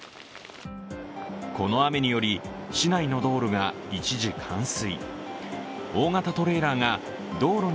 この雨により市内の道路が一時冠水。